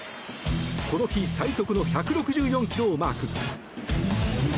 この日最速の１６４ｋｍをマーク。